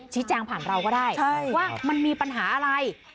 แจ้งผ่านเราก็ได้ว่ามันมีปัญหาอะไร